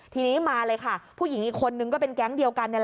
ทีนี้มาเลยค่ะผู้หญิงอีกคนนึงก็เป็นแก๊งเดียวกัน